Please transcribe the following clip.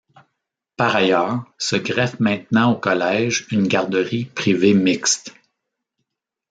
Par ailleurs, se greffe maintenant au collège une garderie privée mixte.